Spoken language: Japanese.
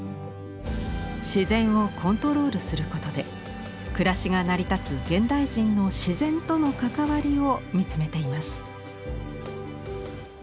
自然をコントロールすることで暮らしが成り立つ現代人の自然との関わりを見つめています。